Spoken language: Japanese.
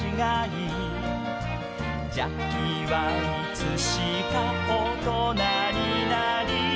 「ジャッキーはいつしか大人になり」